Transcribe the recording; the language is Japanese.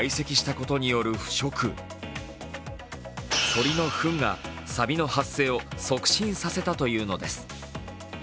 鳥のふんが、さびの発生を促進させたというのです。